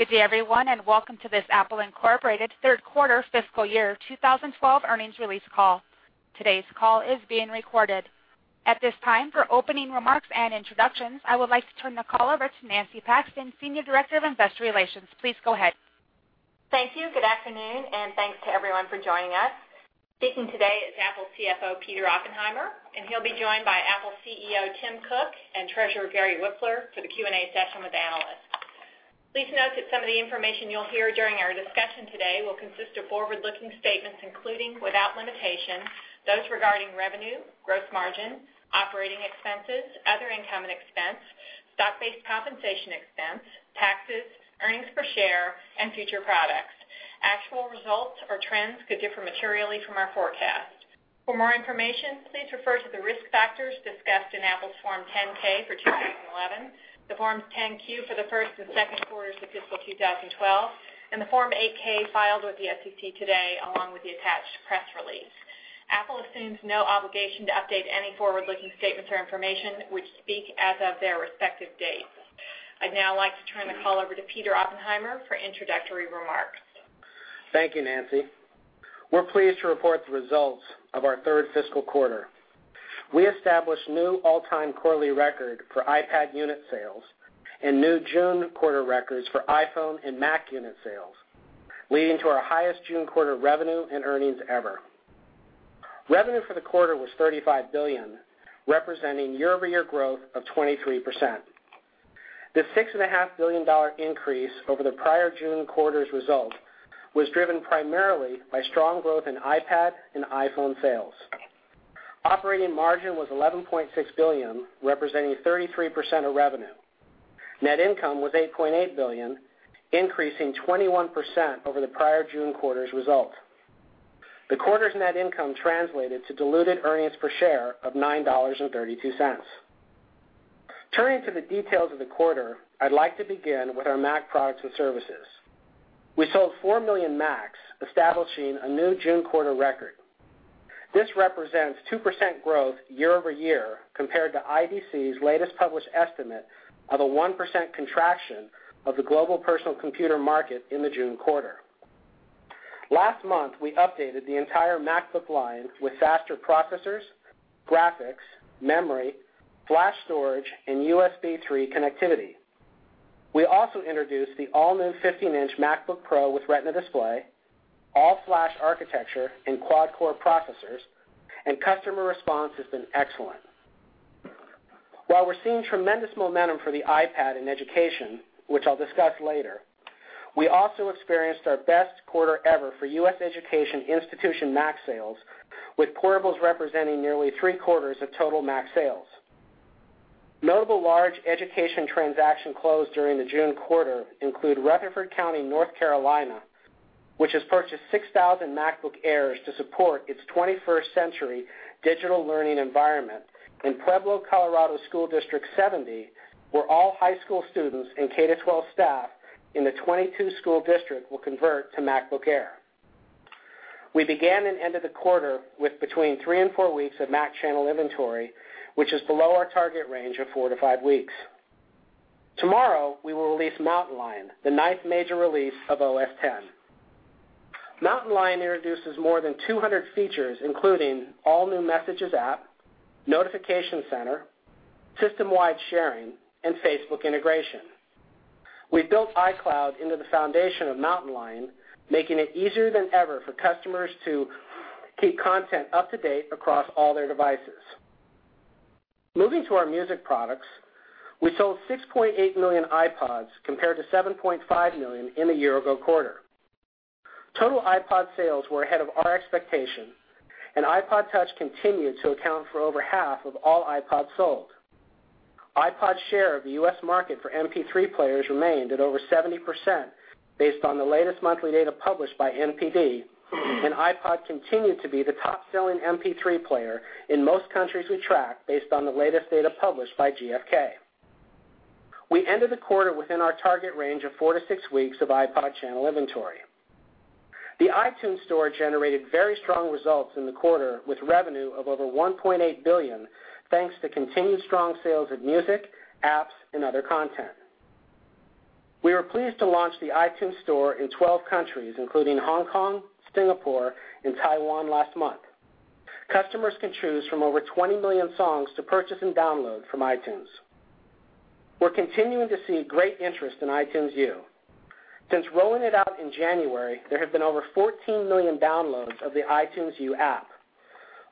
Good day everyone, welcome to this Apple Inc. third quarter fiscal year 2012 earnings release call. Today's call is being recorded. At this time, for opening remarks and introductions, I would like to turn the call over to Nancy Paxton, Senior Director of Investor Relations. Please go ahead. Thank you. Good afternoon, and thanks to everyone for joining us. Speaking today is Apple CFO Peter Oppenheimer, and he'll be joined by Apple CEO Tim Cook and Treasurer Gary Wipfler for the Q&A session with analysts. Please note that some of the information you'll hear during our discussion today will consist of forward-looking statements, including without limitation, those regarding revenue, gross margin, operating expenses, other income and expense, stock-based compensation expense, taxes, earnings per share, and future products. Actual results or trends could differ materially from our forecast. For more information, please refer to the risk factors discussed in Apple's Form 10-K for 2011, the Forms 10-Q for the first and second quarters of fiscal 2012, and the Form 8-K filed with the SEC today, along with the attached press release. Apple assumes no obligation to update any forward-looking statements or information, which speak as of their respective dates. I'd now like to turn the call over to Peter Oppenheimer for introductory remarks. Thank you, Nancy. We're pleased to report the results of our third fiscal quarter. We established new all-time quarterly record for iPad unit sales and new June quarter records for iPhone and Mac unit sales, leading to our highest June quarter revenue and earnings ever. Revenue for the quarter was $35 billion, representing year-over-year growth of 23%. The $6.5 billion dollar increase over the prior June quarter's result was driven primarily by strong growth in iPad and iPhone sales. Operating margin was $11.6 billion, representing 33% of revenue. Net income was $8.8 billion, increasing 21% over the prior June quarter's result. The quarter's net income translated to diluted earnings per share of $9.32. Turning to the details of the quarter, I'd like to begin with our Mac products and services. We sold 4 million Macs, establishing a new June quarter record. This represents 2% growth year-over-year compared to IDC's latest published estimate of a 1% contraction of the global personal computer market in the June quarter. Last month, we updated the entire MacBook line with faster processors, graphics, memory, flash storage, and USB 3.0 connectivity. We also introduced the all-new 15-in MacBook Pro with Retina display, all-flash architecture and quad-core processors, and customer response has been excellent. While we're seeing tremendous momentum for the iPad in education, which I'll discuss later, we also experienced our best quarter ever for U.S. education institution Mac sales, with portables representing nearly 3/4 of total Mac sales. Notable large education transaction closed during the June quarter include Rutherford County, North Carolina, which has purchased 6,000 MacBook Airs to support its 21st-century digital learning environment. In Pueblo, Colorado School District 70, where all high school students and K-12 staff in the 22 school district will convert to MacBook Air. We began and ended the quarter with between three and four weeks of Mac channel inventory, which is below our target range of four to five weeks. Tomorrow, we will release Mountain Lion, the ninth major release of OS X. Mountain Lion introduces more than 200 features, including all new Messages app, Notification Center, system-wide sharing, and Facebook integration. We built iCloud into the foundation of Mountain Lion, making it easier than ever for customers to keep content up to date across all their devices. Moving to our music products, we sold 6.8 million iPods compared to 7.5 million in the year ago quarter. Total iPod sales were ahead of our expectation, and iPod touch continued to account for over half of all iPods sold. iPod's share of the U.S. market for MP3 players remained at over 70% based on the latest monthly data published by NPD, and iPod continued to be the top-selling MP3 player in most countries we track based on the latest data published by GfK. We ended the quarter within our target range of four to six weeks of iPod channel inventory. The iTunes Store generated very strong results in the quarter, with revenue of over $1.8 billion, thanks to continued strong sales of music, apps, and other content. We were pleased to launch the iTunes Store in 12 countries, including Hong Kong, Singapore, and Taiwan last month. Customers can choose from over 20 million songs to purchase and download from iTunes. We're continuing to see great interest in iTunes U. Since rolling it out in January, there have been over 14 million downloads of the iTunes U app.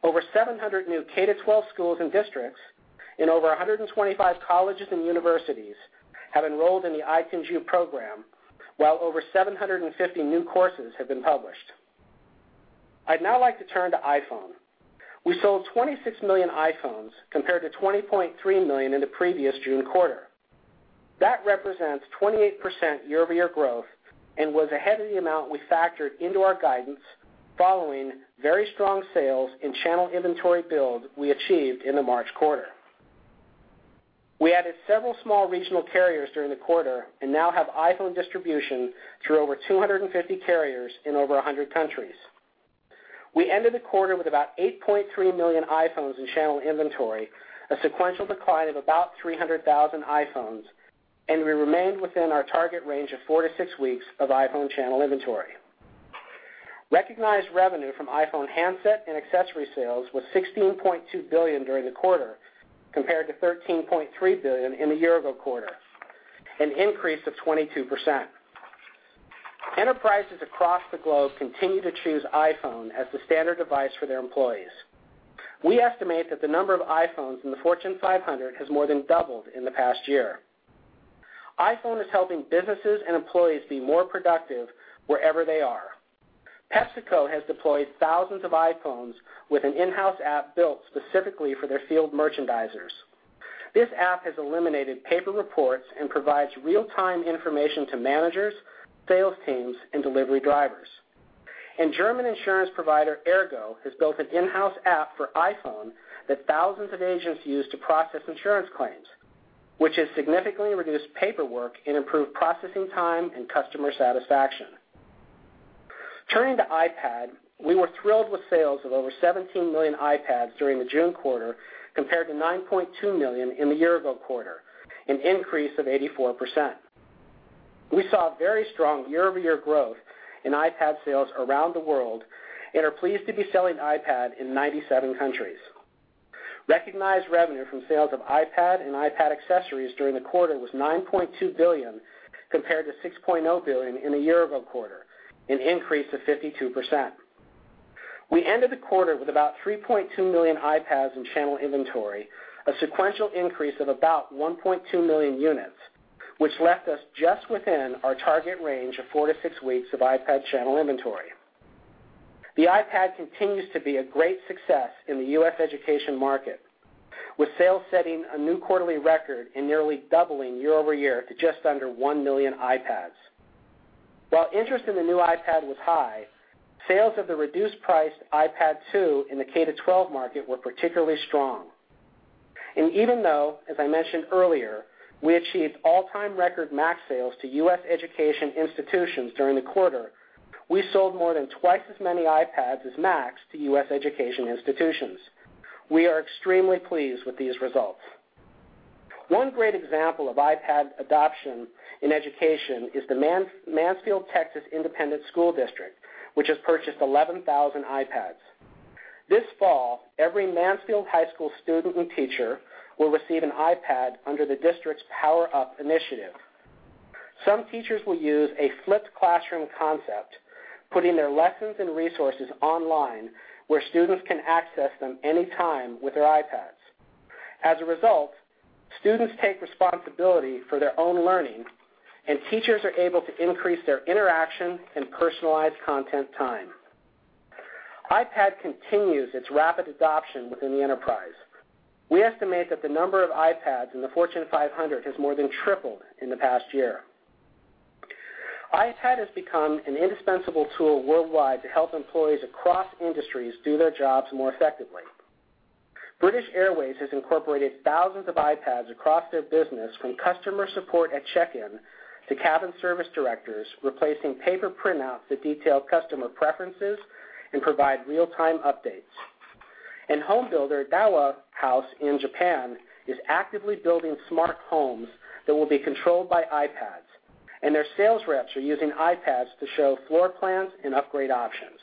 Over 700 new K-12 schools and districts and over 125 colleges and universities have enrolled in the iTunes U program, while over 750 new courses have been published. I'd now like to turn to iPhone. We sold 26 million iPhones compared to 20.3 million in the previous June quarter. That represents 28% year-over-year growth and was ahead of the amount we factored into our guidance following very strong sales and channel inventory build we achieved in the March quarter. We added several small regional carriers during the quarter and now have iPhone distribution through over 250 carriers in over 100 countries. We ended the quarter with about 8.3 million iPhones in channel inventory, a sequential decline of about 300,000 iPhones, and we remained within our target range of four to six weeks of iPhone channel inventory. Recognized revenue from iPhone handset and accessory sales was $16.2 billion during the quarter compared to $13.3 billion in the year ago quarter, an increase of 22%. Enterprises across the globe continue to choose iPhone as the standard device for their employees. We estimate that the number of iPhones in the Fortune 500 has more than doubled in the past year. iPhone is helping businesses and employees be more productive wherever they are. PepsiCo has deployed thousands of iPhones with an in-house app built specifically for their field merchandisers. This app has eliminated paper reports and provides real-time information to managers, sales teams, and delivery drivers. German insurance provider ERGO has built an in-house app for iPhone that thousands of agents use to process insurance claims, which has significantly reduced paperwork and improved processing time and customer satisfaction. Turning to iPad, we were thrilled with sales of over 17 million iPads during the June quarter compared to 9.2 million in the year ago quarter, an increase of 84%. We saw very strong year-over-year growth in iPad sales around the world and are pleased to be selling iPad in 97 countries. Recognized revenue from sales of iPad and iPad accessories during the quarter was $9.2 billion compared to $6.0 billion in the year-ago quarter, an increase of 52%. We ended the quarter with about 3.2 million iPads in channel inventory, a sequential increase of about 1.2 million units, which left us just within our target range of four to six weeks of iPad channel inventory. The iPad continues to be a great success in the U.S. education market, with sales setting a new quarterly record and nearly doubling year-over-year to just under 1 million iPads. While interest in the new iPad was high, sales of the reduced-priced iPad 2 in the K-12 market were particularly strong. Even though, as I mentioned earlier, we achieved all-time record Mac sales to U.S. education institutions during the quarter, we sold more than twice as many iPads as Macs to U.S. education institutions. We are extremely pleased with these results. One great example of iPad adoption in education is the Mansfield Independent School District, which has purchased 11,000 iPads. This fall, every Mansfield High School student and teacher will receive an iPad under the district's Power Up initiative. Some teachers will use a flipped classroom concept, putting their lessons and resources online where students can access them anytime with their iPads. As a result, students take responsibility for their own learning, and teachers are able to increase their interaction and personalize content time. iPad continues its rapid adoption within the enterprise. We estimate that the number of iPads in the Fortune 500 has more than tripled in the past year. iPad has become an indispensable tool worldwide to help employees across industries do their jobs more effectively. British Airways has incorporated thousands of iPads across their business, from customer support at check-in to cabin service directors, replacing paper printouts that detail customer preferences and provide real-time updates. Home builder Daiwa House in Japan is actively building smart homes that will be controlled by iPads, and their sales reps are using iPads to show floor plans and upgrade options.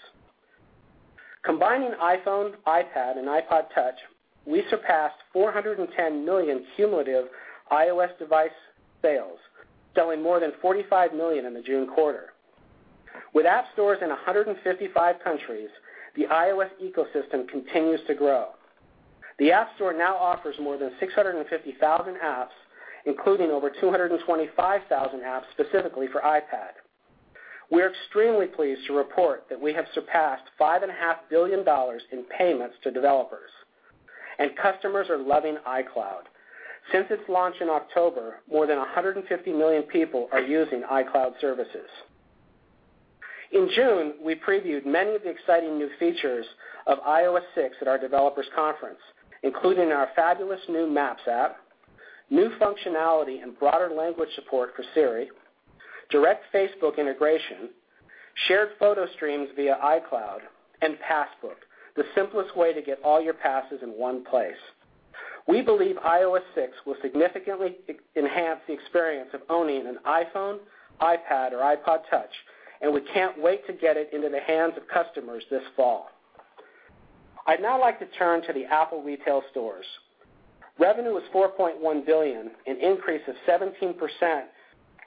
Combining iPhone, iPad, and iPod touch, we surpassed 410 million cumulative iOS device sales, selling more than 45 million in the June quarter. With App Stores in 155 countries, the iOS ecosystem continues to grow. The App Store now offers more than 650,000 apps, including over 225,000 apps specifically for iPad. We're extremely pleased to report that we have surpassed five and a half billion dollars in payments to developers, and customers are loving iCloud. Since its launch in October, more than 150 million people are using iCloud services. In June, we previewed many of the exciting new features of iOS 6 at our Developers Conference, including our fabulous new Maps app, new functionality and broader language support for Siri, direct Facebook integration, shared photo streams via iCloud, and Passbook, the simplest way to get all your passes in one place. We believe iOS 6 will significantly enhance the experience of owning an iPhone, iPad, or iPod touch, and we can't wait to get it into the hands of customers this fall. I'd now like to turn to the Apple retail stores. Revenue was $4.1 billion, an increase of 17%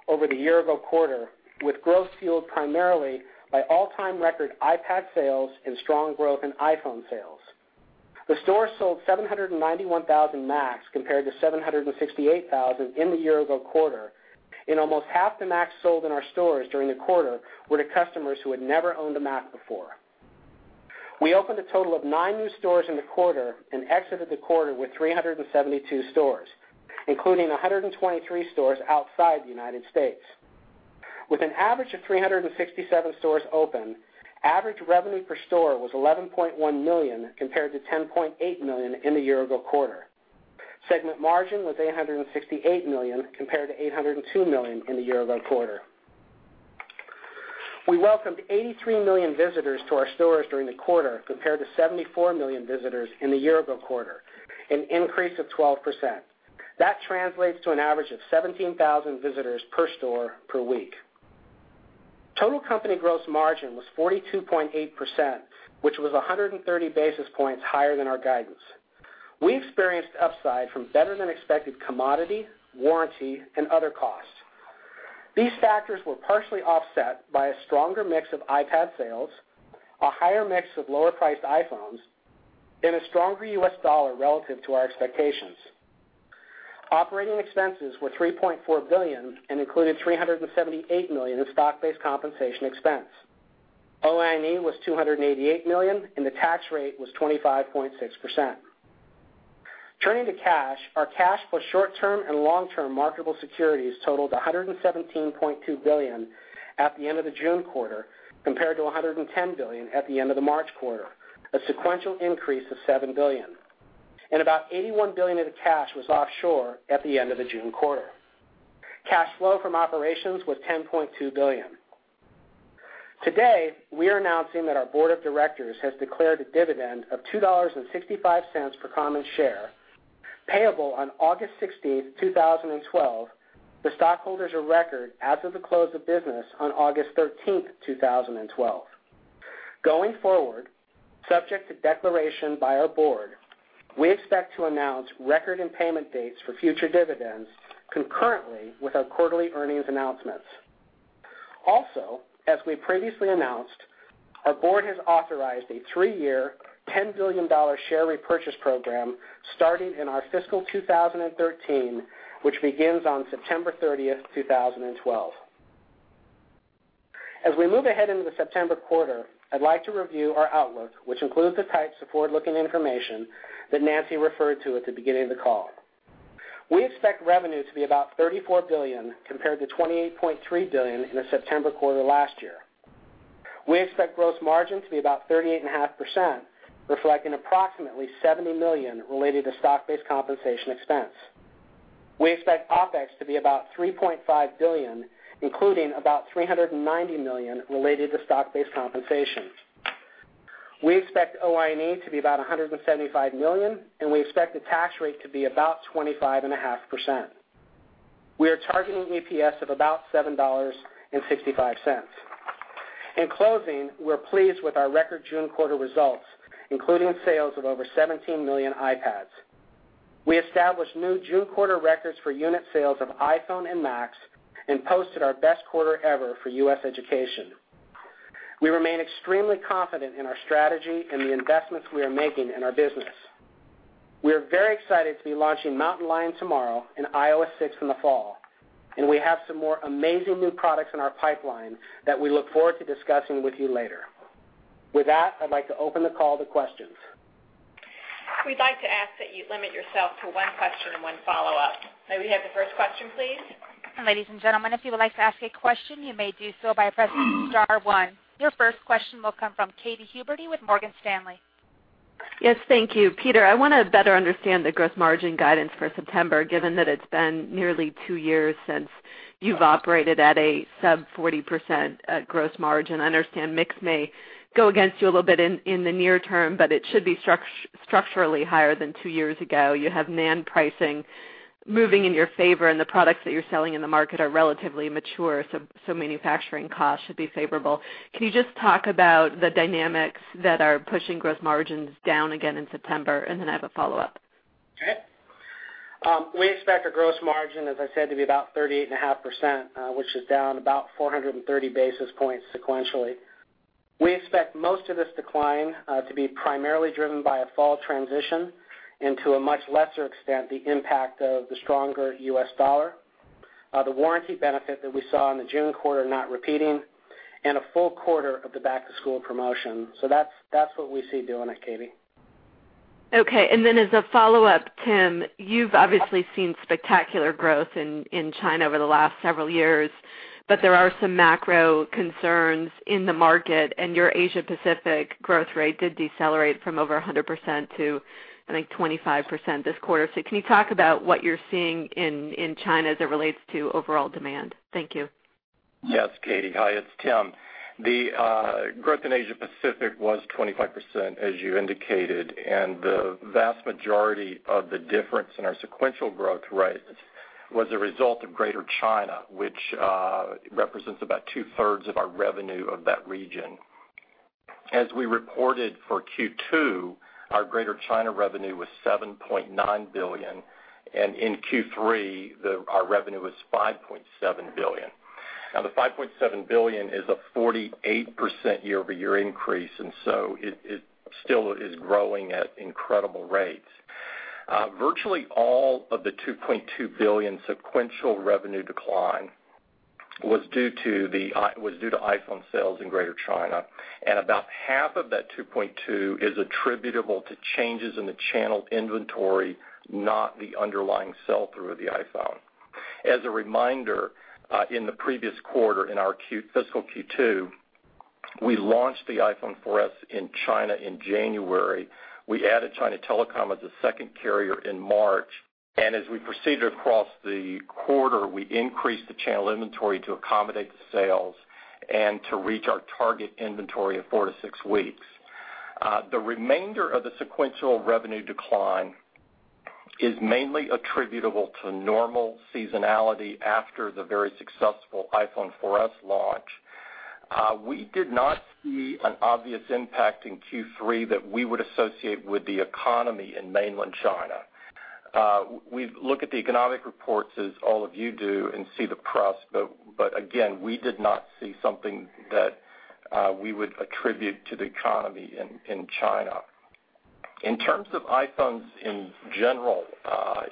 over the year ago quarter, with growth fueled primarily by all time record iPad sales and strong growth in iPhone sales. The store sold 791,000 Macs compared to 768,000 in the year ago quarter. Almost half the Macs sold in our stores during the quarter were to customers who had never owned a Mac before. We opened a total of nine new stores in the quarter and exited the quarter with 372 stores, including 123 stores outside the United States. With an average of 367 stores open, average revenue per store was $11.1 million compared to $10.8 million in the year ago quarter. Segment margin was $868 million compared to $802 million in the year ago quarter. We welcomed 83 million visitors to our stores during the quarter compared to 74 million visitors in the year ago quarter, an increase of 12%. That translates to an average of 17,000 visitors per store per week. Total company gross margin was 42.8%, which was 130 basis points higher than our guidance. We experienced upside from better than expected commodity, warranty, and other costs. These factors were partially offset by a stronger mix of iPad sales, a higher mix of lower priced iPhones, and a stronger U.S. dollar relative to our expectations. Operating expenses were $3.4 billion and included $378 million in stock-based compensation expense. OI&E was $288 million, and the tax rate was 25.6%. Turning to cash, our cash for short-term and long-term marketable securities totaled $117.2 billion at the end of the June quarter, compared to $110 billion at the end of the March quarter, a sequential increase of $7 billion. About $81 billion of the cash was offshore at the end of the June quarter. Cash flow from operations was $10.2 billion. Today, we are announcing that our board of directors has declared a dividend of $2.65 per common share payable on August sixteenth, two thousand and twelve to stockholders of record as of the close of business on August 13th, 2012. Going forward, subject to declaration by our board, we expect to announce record and payment dates for future dividends concurrently with our quarterly earnings announcements. As we previously announced, our board has authorized a three-year, $10 billion share repurchase program starting in our fiscal 2013, which begins on September 30th, 2012. As we move ahead into the September quarter, I'd like to review our outlook, which includes the types of forward-looking information that Nancy referred to at the beginning of the call. We expect revenue to be about $34 billion compared to $28.3 billion in the September quarter last year. We expect gross margin to be about 38.5%, reflecting approximately $70 million related to stock-based compensation expense. We expect OpEx to be about $3.5 billion, including about $390 million related to stock-based compensations. We expect OI&E to be about $175 million, and we expect the tax rate to be about 25.5%. We are targeting EPS of about $7.65. In closing, we're pleased with our record June quarter results, including sales of over 17 million iPads. We established new June quarter records for unit sales of iPhone and Macs and posted our best quarter ever for U.S. education. We remain extremely confident in our strategy and the investments we are making in our business. We are very excited to be launching Mountain Lion tomorrow and iOS 6 in the fall, and we have some more amazing new products in our pipeline that we look forward to discussing with you later. With that, I'd like to open the call to questions. We'd like to ask that you limit yourself to one question and one follow-up. May we have the first question, please? Ladies and gentlemen, if you would like to ask a question, you may do so by pressing star one. Your first question will come from Katy Huberty with Morgan Stanley. Yes, thank you. Peter, I wanna better understand the gross margin guidance for September, given that it's been nearly two years since you've operated at a sub 40% gross margin. I understand mix may go against you a little bit in the near term, but it should be structurally higher than two years ago. You have NAND pricing moving in your favor, the products that you're selling in the market are relatively mature, so manufacturing costs should be favorable. Can you just talk about the dynamics that are pushing gross margins down again in September? I have a follow-up. Okay. We expect our gross margin, as I said, to be about 38.5%, which is down about 430 basis points sequentially. We expect most of this decline to be primarily driven by a fall transition and to a much lesser extent, the impact of the stronger U.S. dollar, the warranty benefit that we saw in the June quarter not repeating, and a full quarter of the back-to-school promotion. That's what we see doing it, Katy. Okay. As a follow-up, Tim, you've obviously seen spectacular growth in China over the last several years, but there are some macro concerns in the market, and your Asia Pacific growth rate did decelerate from over 100% to, I think, 25% this quarter. Can you talk about what you're seeing in China as it relates to overall demand? Thank you. Yes, Katy. Hi, it's Tim. The growth in Asia Pacific was 25%, as you indicated, and the vast majority of the difference in our sequential growth rate was a result of Greater China, which represents about 2/3 of our revenue of that region. As we reported for Q2, our Greater China revenue was $7.9 billion, and in Q3, our revenue was $5.7 billion. Now, the $5.7 billion is a 48% year-over-year increase, and so it still is growing at incredible rates. Virtually all of the $2.2 billion sequential revenue decline was due to iPhone sales in Greater China, and about half of that $2.2 is attributable to changes in the channel inventory, not the underlying sell-through of the iPhone. As a reminder, in the previous quarter, in our fiscal Q2. We launched the iPhone 4S in China in January. We added China Telecom as a second carrier in March, and as we proceeded across the quarter, we increased the channel inventory to accommodate the sales and to reach our target inventory of four to six weeks. The remainder of the sequential revenue decline is mainly attributable to normal seasonality after the very successful iPhone 4S launch. We did not see an obvious impact in Q3 that we would associate with the economy in mainland China. We've looked at the economic reports as all of you do, and see the press, but again, we did not see something that we would attribute to the economy in China. In terms of iPhones in general,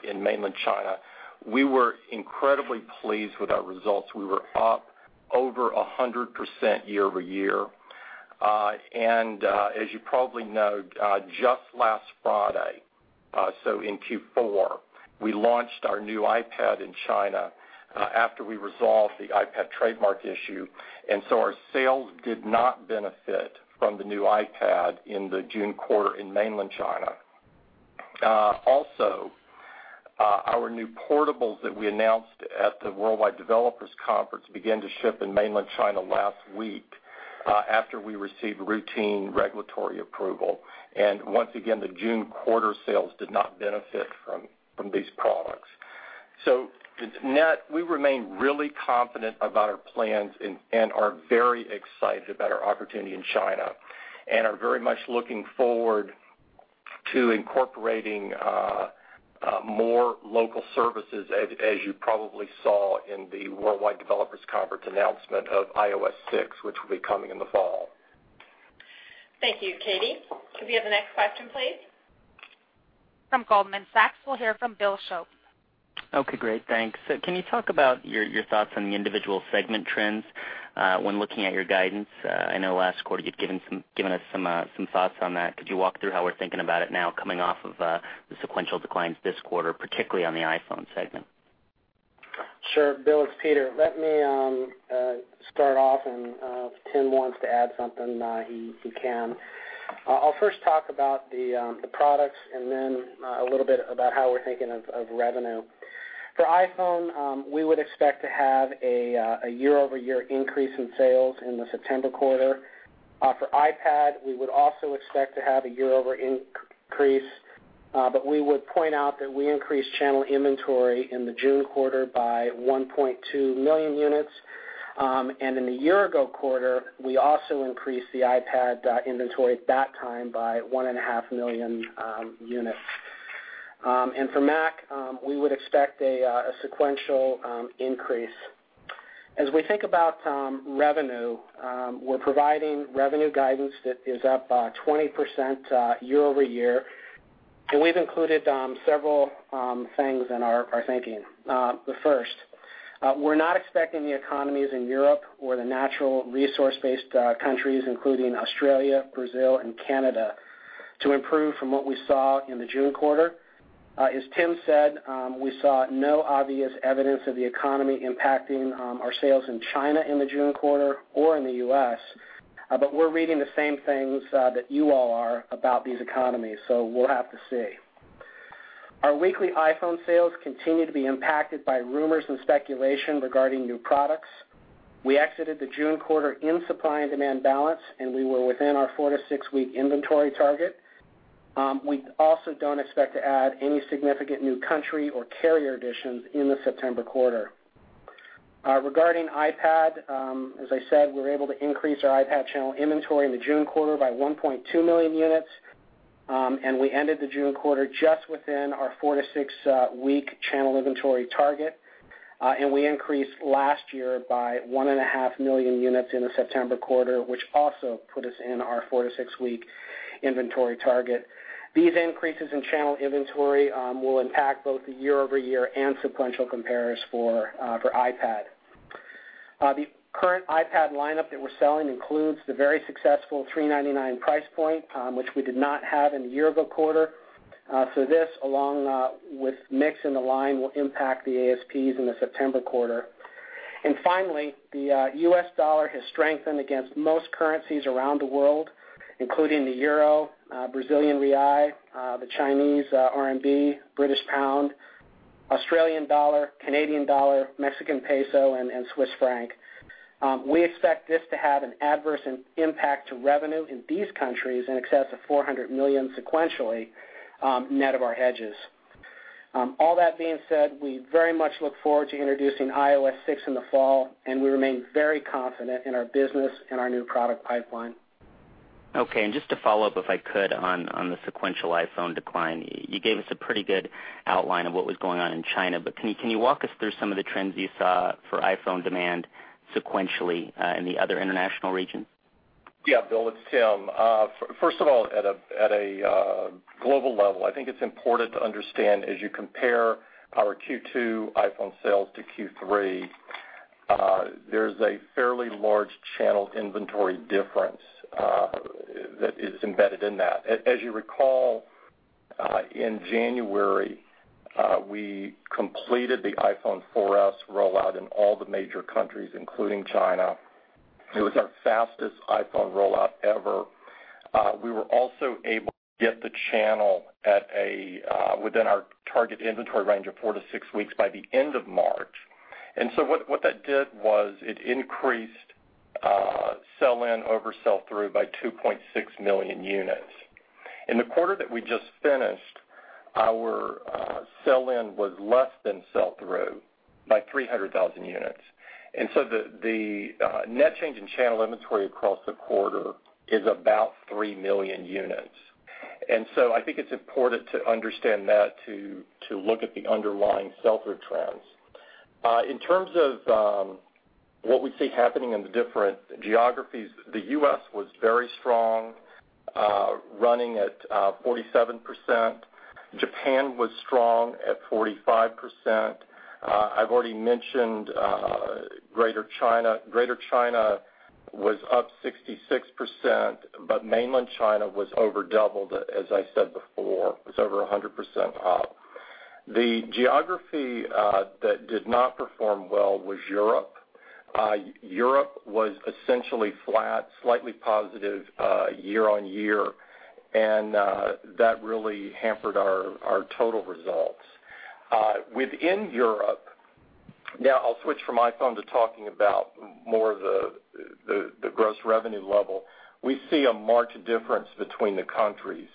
in mainland China, we were incredibly pleased with our results. We were up over 100% year-over-year. As you probably know, just last Friday, so in Q4, we launched our new iPad in China, after we resolved the iPad trademark issue. So our sales did not benefit from the new iPad in the June quarter in mainland China. Also, our new portables that we announced at the Worldwide Developers Conference began to ship in mainland China last week, after we received routine regulatory approval. Once again, the June quarter sales did not benefit from these products. Net, we remain really confident about our plans and are very excited about our opportunity in China and are very much looking forward to incorporating more local services as you probably saw in the Worldwide Developers Conference announcement of iOS 6, which will be coming in the fall. Thank you, Katy. Could we have the next question, please? From Goldman Sachs, we'll hear from Bill Shope. Okay, great. Thanks. Can you talk about your thoughts on the individual segment trends when looking at your guidance? I know last quarter you'd given us some thoughts on that. Could you walk through how we're thinking about it now coming off of the sequential declines this quarter, particularly on the iPhone segment? Sure, Bill, it's Peter. Let me start off and if Tim wants to add something, he can. I'll first talk about the products and then a little bit about how we're thinking of revenue. For iPhone, we would expect to have a year-over-year increase in sales in the September quarter. For iPad, we would also expect to have a year-over-year increase, but we would point out that we increased channel inventory in the June quarter by 1.2 million units. In the year-ago quarter, we also increased the iPad inventory at that time by 1.5 million units. For Mac, we would expect a sequential increase. We think about revenue. We're providing revenue guidance that is up 20% year-over-year. We've included several things in our thinking. The first, we're not expecting the economies in Europe or the natural resource-based countries, including Australia, Brazil, and Canada, to improve from what we saw in the June quarter. As Tim said, we saw no obvious evidence of the economy impacting our sales in China in the June quarter or in the U.S. We're reading the same things that you all are about these economies. We'll have to see. Our weekly iPhone sales continue to be impacted by rumors and speculation regarding new products. We exited the June quarter in supply and demand balance. We were within our four to six-week inventory target. We also don't expect to add any significant new country or carrier additions in the September quarter. Regarding iPad, as I said, we were able to increase our iPad channel inventory in the June quarter by 1.2 million units, and we ended the June quarter just within our four to six week channel inventory target. And we increased last year by 1.5 million units in the September quarter, which also put us in our four to six week inventory target. These increases in channel inventory will impact both the year-over-year and sequential compares for iPad. The current iPad lineup that we're selling includes the very successful $399 price point, which we did not have in the year-ago quarter. This, along with mix in the line, will impact the ASPs in the September quarter. Finally, the U.S. dollar has strengthened against most currencies around the world, including the euro, Brazilian real, the Chinese RMB, British pound, Australian dollar, Canadian dollar, Mexican peso, and Swiss franc. We expect this to have an adverse impact to revenue in these countries in excess of $400 million sequentially, net of our hedges. All that being said, we very much look forward to introducing iOS 6 in the fall, and we remain very confident in our business and our new product pipeline. Just to follow up, if I could, on the sequential iPhone decline. You gave us a pretty good outline of what was going on in China, can you walk us through some of the trends you saw for iPhone demand sequentially in the other international regions? Yeah, Bill, it's Tim. First of all, at a global level, I think it's important to understand as you compare our Q2 iPhone sales to Q3, there's a fairly large channel inventory difference. That is embedded in that. As you recall, in January, we completed the iPhone 4S rollout in all the major countries, including China. It was our fastest iPhone rollout ever. We were also able to get the channel within our target inventory range of four to six weeks by the end of March. What that did was it increased sell-in over sell-through by 2.6 million units. In the quarter that we just finished, our sell-in was less than sell-through by 300,000 units. The net change in channel inventory across the quarter is about 3 million units. I think it's important to understand that to look at the underlying sell-through trends. In terms of what we see happening in the different geographies, the U.S. was very strong, running at 47%. Japan was strong at 45%. I've already mentioned Greater China. Greater China was up 66%, but mainland China was over doubled, as I said before, it's over 100% up. The geography that did not perform well was Europe. Europe was essentially flat, slightly positive year-over-year, and that really hampered our total results. Within Europe, now I'll switch from iPhone to talking about more of the gross revenue level. We see a marked difference between the countries.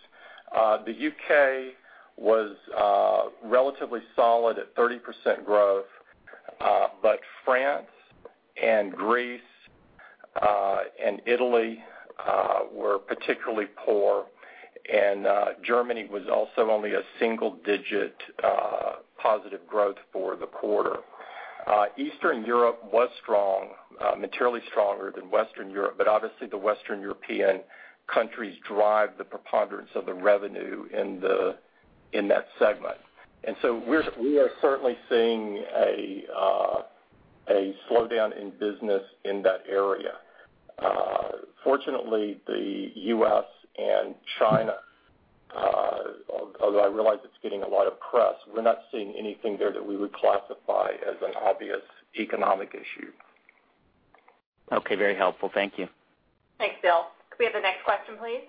The U.K. was relatively solid at 30% growth, but France, Greece, and Italy were particularly poor, and Germany was also only a single-digit positive growth for the quarter. Eastern Europe was strong, materially stronger than Western Europe, but obviously the Western European countries drive the preponderance of the revenue in that segment. We are certainly seeing a slowdown in business in that area. Fortunately, the U.S. and China, although I realize it's getting a lot of press, we're not seeing anything there that we would classify as an obvious economic issue. Okay. Very helpful. Thank you. Thanks, Bill. Could we have the next question, please?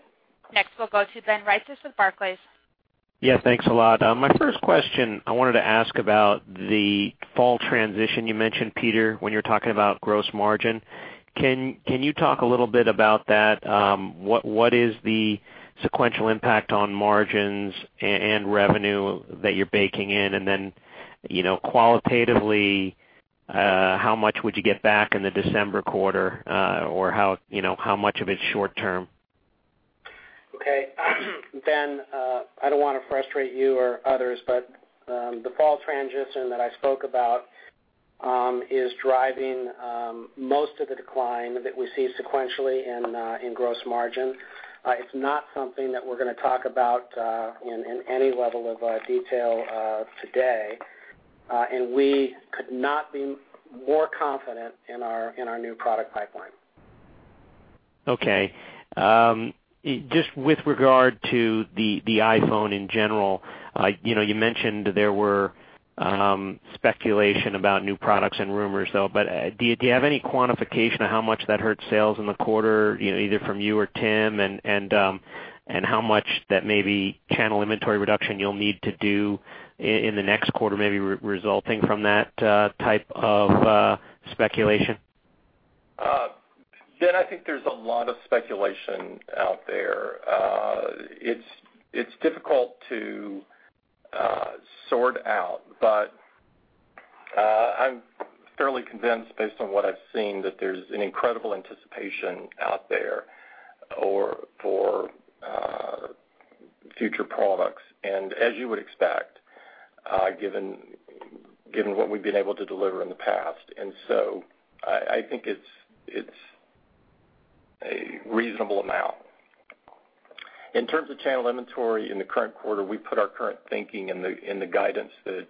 Next, we'll go to Ben Reitzes with Barclays. Yeah, thanks a lot. My first question, I wanted to ask about the fall transition you mentioned, Peter, when you were talking about gross margin. Can you talk a little bit about that? What is the sequential impact on margins and revenue that you're baking in? You know, qualitatively, how much would you get back in the December quarter, or how, you know, how much of it's short term? Okay. Ben, I don't wanna frustrate you or others, but the fall transition that I spoke about is driving most of the decline that we see sequentially in gross margin. It's not something that we're gonna talk about in any level of detail today. We could not be more confident in our new product pipeline. Okay. Just with regard to the iPhone in general, you know, you mentioned there were speculation about new products and rumors, though. Do you have any quantification of how much that hurt sales in the quarter, you know, either from you or Tim and how much that maybe channel inventory reduction you'll need to do in the next quarter, maybe resulting from that type of speculation? Ben, I think there's a lot of speculation out there. It's difficult to sort out, but I'm fairly convinced, based on what I've seen, that there's an incredible anticipation out there or for future products. As you would expect, given what we've been able to deliver in the past. I think it's a reasonable amount. In terms of channel inventory in the current quarter, we put our current thinking in the guidance that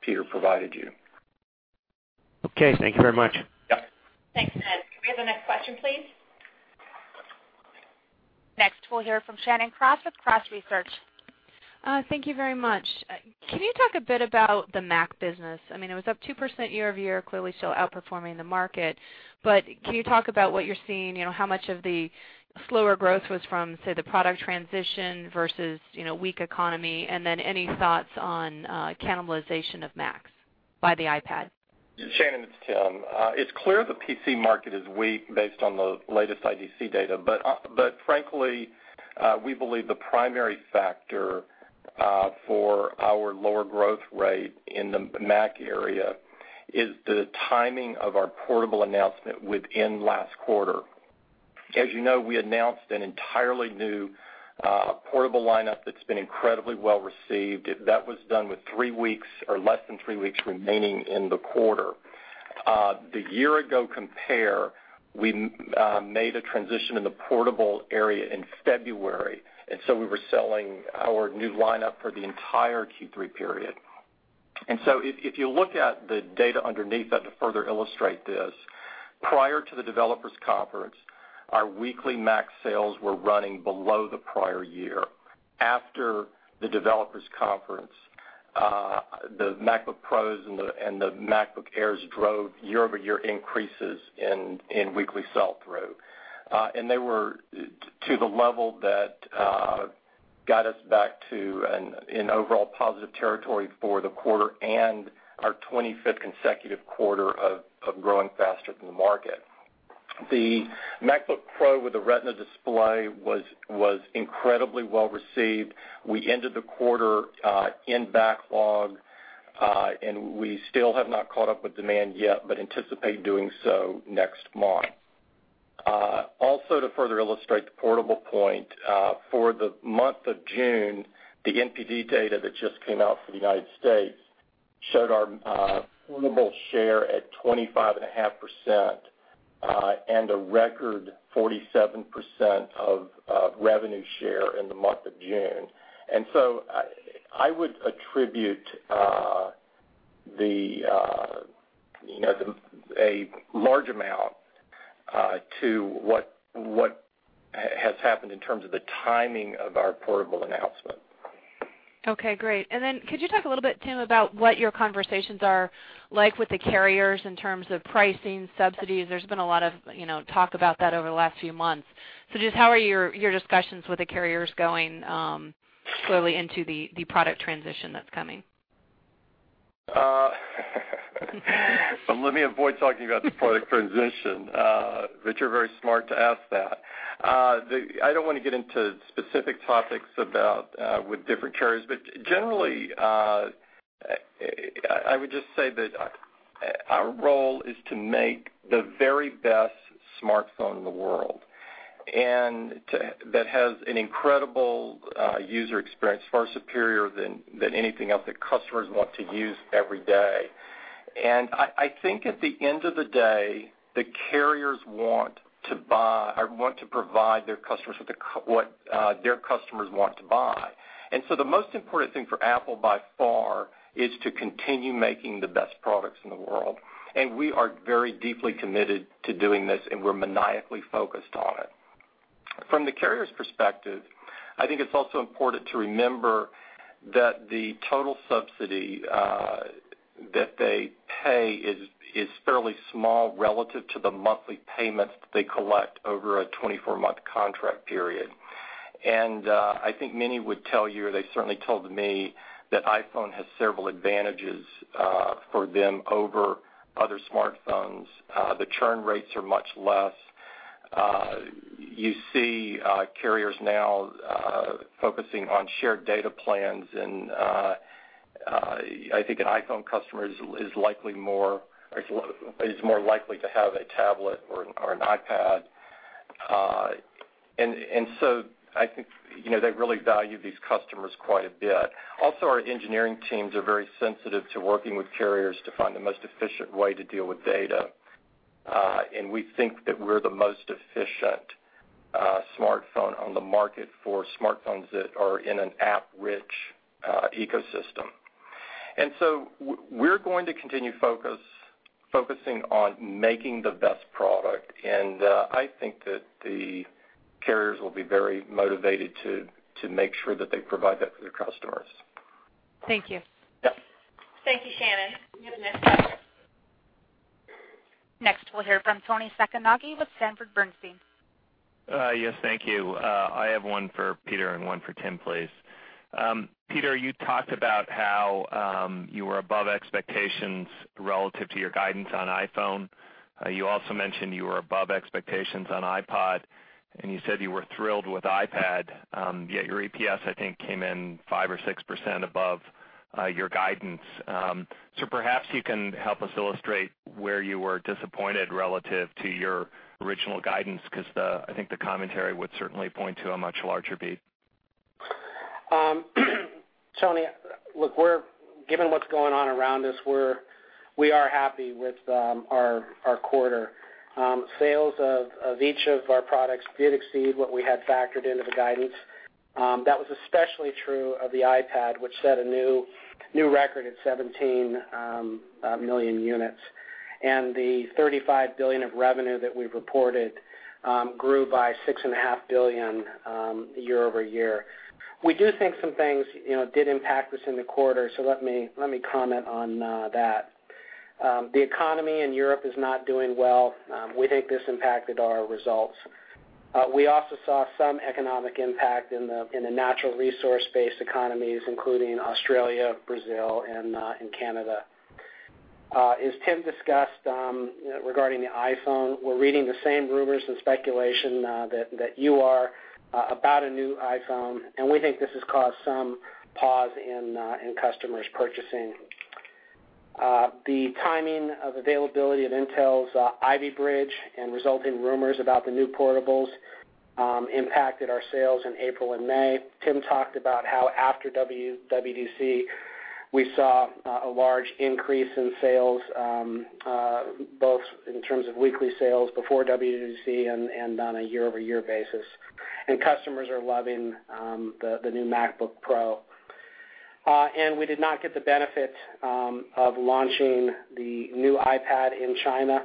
Peter provided you. Okay. Thank you very much. Yep. Thanks, Ben. Can we have the next question, please? Next, we'll hear from Shannon Cross with Cross Research. Thank you very much. Can you talk a bit about the Mac business? I mean, it was up 2% year-over-year, clearly still outperforming the market. Can you talk about what you're seeing? You know, how much of the slower growth was from, say, the product transition versus, you know, weak economy? Then any thoughts on cannibalization of Macs by the iPad? Shannon, it's Tim. It's clear the PC market is weak based on the latest IDC data. Frankly, we believe the primary factor for our lower growth rate in the Mac area is the timing of our portable announcement within last quarter. As you know, we announced an entirely new portable lineup that's been incredibly well received. That was done with three weeks or less than three weeks remaining in the quarter. The year-ago compare, we made a transition in the portable area in February, and so we were selling our new lineup for the entire Q3 period. If you look at the data underneath that to further illustrate this, prior to the Developers Conference, our weekly Mac sales were running below the prior year. After the Developers Conference, the MacBook Pros and the MacBook Airs drove year-over-year increases in weekly sell-through. They were to the level that got us back to an overall positive territory for the quarter and our 25th consecutive quarter of growing faster than the market. The MacBook Pro with a Retina display was incredibly well received. We ended the quarter in backlog, and we still have not caught up with demand yet, but anticipate doing so next month. Also to further illustrate the portable point, for the month of June, the NPD data that just came out for the United States showed our portable share at 25.5%, and a record 47% of revenue share in the month of June. I would attribute, you know, a large amount to what has happened in terms of the timing of our portable announcement. Okay, great. Could you talk a little bit, Tim, about what your conversations are like with the carriers in terms of pricing, subsidies? There's been a lot of, you know, talk about that over the last few months. Just how are your discussions with the carriers going, clearly into the product transition that's coming? Let me avoid talking about the product transition, but you're very smart to ask that. I don't wanna get into specific topics about with different carriers. Generally, I would just say that our role is to make the very best smartphone in the world, and to that has an incredible user experience, far superior than anything else that customers want to use every day. I think at the end of the day, the carriers want to buy or want to provide their customers with what their customers want to buy. The most important thing for Apple by far is to continue making the best products in the world, and we are very deeply committed to doing this, and we're maniacally focused on it. From the carrier's perspective, I think it's also important to remember that the total subsidy that they pay is fairly small relative to the monthly payments that they collect over a 24-month contract period. I think many would tell you, they certainly told me, that iPhone has several advantages for them over other smartphones. The churn rates are much less. You see carriers now focusing on shared data plans, I think an iPhone customer is likely more, or is more likely to have a tablet or an iPad. I think, you know, they really value these customers quite a bit. Our engineering teams are very sensitive to working with carriers to find the most efficient way to deal with data, and we think that we're the most efficient smartphone on the market for smartphones that are in an app-rich ecosystem. We're going to continue focusing on making the best product. I think that the carriers will be very motivated to make sure that they provide that for their customers. Thank you. Yep. Thank you, Shannon. We have the next question. Next, we'll hear from Toni Sacconaghi with Sanford Bernstein. Yes, thank you. I have one for Peter and one for Tim, please. Peter, you talked about how you were above expectations relative to your guidance on iPhone. You also mentioned you were above expectations on iPod, and you said you were thrilled with iPad, yet your EPS, I think, came in 5% or 6% above your guidance. Perhaps you can help us illustrate where you were disappointed relative to your original guidance. I think the commentary would certainly point to a much larger beat. Toni, look, given what's going on around us, we are happy with our quarter. Sales of each of our products did exceed what we had factored into the guidance. That was especially true of the iPad, which set a new record at 17 million units. The $35 billion of revenue that we've reported grew by $6.5 billion year-over-year. We do think some things, you know, did impact us in the quarter, so let me comment on that. The economy in Europe is not doing well. We think this impacted our results. We also saw some economic impact in the natural resource-based economies, including Australia, Brazil, and Canada. As Tim discussed, regarding the iPhone, we're reading the same rumors and speculation that you are about a new iPhone, and we think this has caused some pause in customers purchasing. The timing of availability of Intel's Ivy Bridge and resulting rumors about the new portables impacted our sales in April and May. Tim talked about how after WDC, we saw a large increase in sales both in terms of weekly sales before WDC and on a year-over-year basis. Customers are loving the new MacBook Pro. We did not get the benefit of launching the new iPad in China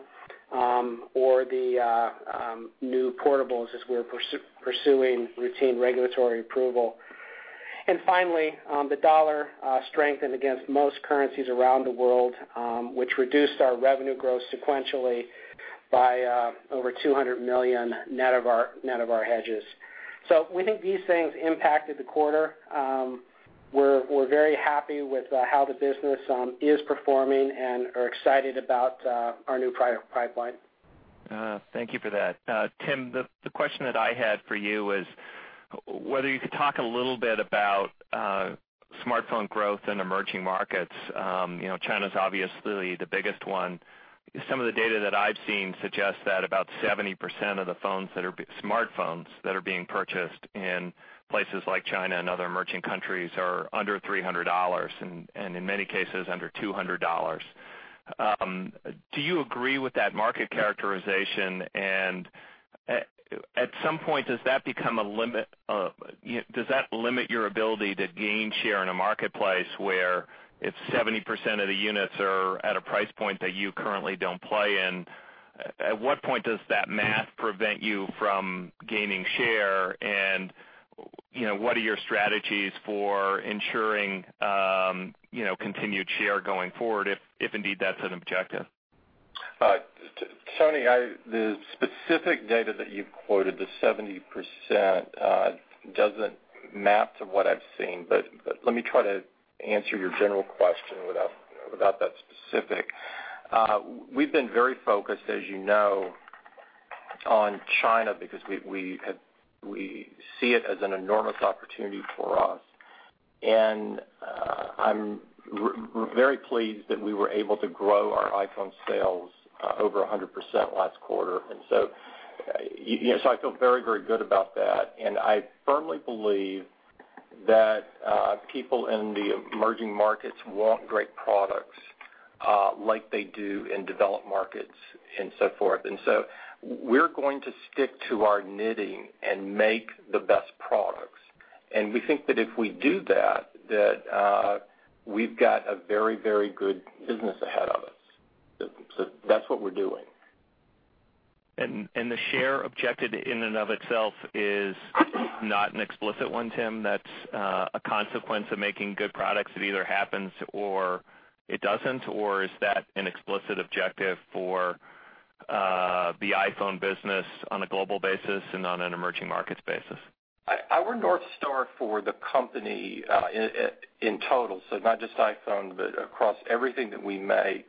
or the new portables as we're pursuing routine regulatory approval. Finally, the dollar strengthened against most currencies around the world, which reduced our revenue growth sequentially by over $200 million net of our hedges. We think these things impacted the quarter. We're very happy with how the business is performing and are excited about our new product pipeline. Thank you for that. Tim, the question that I had for you was whether you could talk a little bit about smartphone growth in emerging markets. You know, China's obviously the biggest one. Some of the data that I've seen suggests that about 70% of the phones that are smartphones that are being purchased in places like China and other emerging countries are under $300, and in many cases, under $200. Do you agree with that market characterization? At some point, does that become a limit, you know, does that limit your ability to gain share in a marketplace where if 70% of the units are at a price point that you currently don't play in, at what point does that math prevent you from gaining share? You know, what are your strategies for ensuring, you know, continued share going forward, if indeed that's an objective? Toni, The specific data that you've quoted, the 70%, doesn't map to what I've seen, but let me try to answer your general question without that specific. We've been very focused, as you know, on China because we see it as an enormous opportunity for us. I'm very pleased that we were able to grow our iPhone sales over 100% last quarter, and so, yes, I feel very good about that. I firmly believe that people in the emerging markets want great products, like they do in developed markets and so forth. We're going to stick to our knitting and make the best products. We think that if we do that, we've got a very good business ahead of us. That's what we're doing. The share objective in and of itself is not an explicit one, Tim. That's a consequence of making good products. It either happens or it doesn't, or is that an explicit objective for the iPhone business on a global basis and on an emerging markets basis? Our North Star for the company, in total, so not just iPhone, but across everything that we make,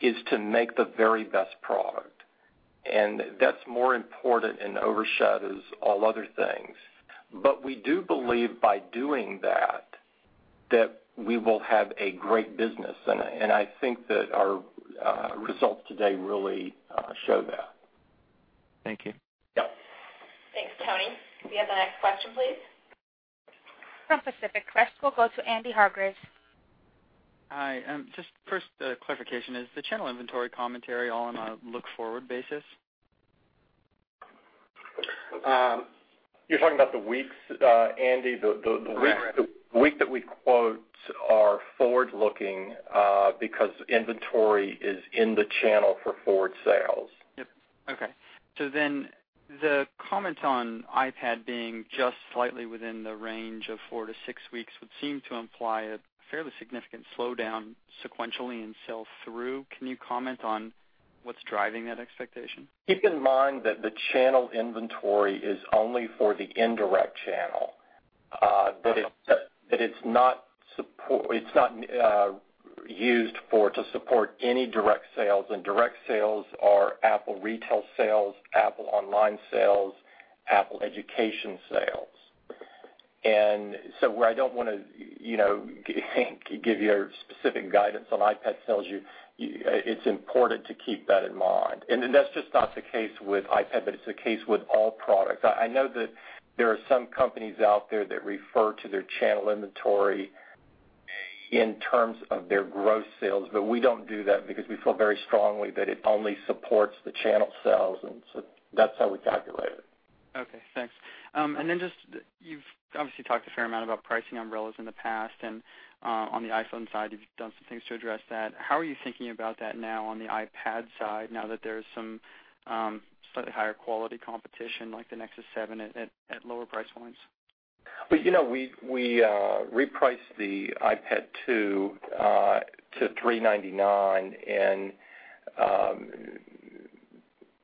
is to make the very best product, and that's more important and overshadows all other things. We do believe by doing that we will have a great business, and I think that our results today really show that. Thank you. Yeah. Thanks, Toni. Can we have the next question, please? From Pacific Crest, we'll go to Andy Hargreaves. Hi. Just first, clarification. Is the channel inventory commentary all on a look-forward basis? You're talking about the weeks, Andy, the week that we quote are forward-looking, because inventory is in the channel for forward sales. Yep. Okay. The comment on iPad being just slightly within the range of four to six weeks would seem to imply a fairly significant slowdown sequentially in sales through. Can you comment on what's driving that expectation? Keep in mind that the channel inventory is only for the indirect channel, that it's not used for to support any direct sales, and direct sales are Apple Retail sales, Apple online sales, Apple Education sales. Where I don't wanna, you know, give you a specific guidance on iPad sales, it's important to keep that in mind. That's just not the case with iPad, but it's the case with all products. I know that there are some companies out there that refer to their channel inventory in terms of their gross sales, but we don't do that because we feel very strongly that it only supports the channel sales, and so that's how we calculate it. Okay, thanks. Just you've obviously talked a fair amount about pricing umbrellas in the past, on the iPhone side, you've done some things to address that. How are you thinking about that now on the iPad side now that there's some slightly higher quality competition like the Nexus 7 at lower price points? You know, we repriced the iPad 2 to $399, and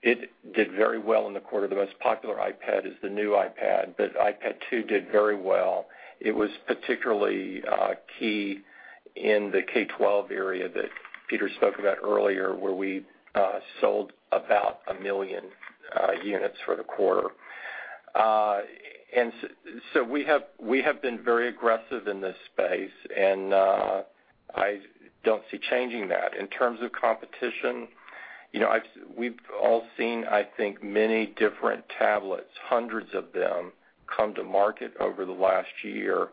it did very well in the quarter. The most popular iPad is the new iPad 2 did very well. It was particularly key in the K-12 area that Peter spoke about earlier, where we sold about 1 million units for the quarter. We have been very aggressive in this space, and I don't see changing that. In terms of competition, you know, we've all seen, I think, many different tablets, hundreds of them, come to market over the last year,